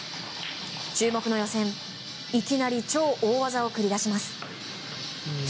注目の予選いきなり超大技を繰り出します。